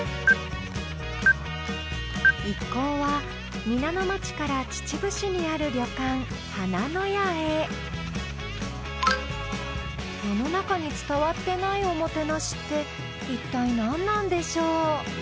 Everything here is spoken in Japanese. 一行は皆野町から秩父市にある旅館はなのやへ世の中に伝わってないおもてなしって一体何なんでしょう？